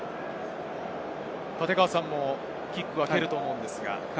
立川さんもキックは蹴ると思うのですが。